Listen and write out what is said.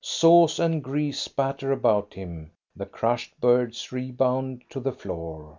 Sauce and grease spatter about him, the crushed birds rebound to the floor.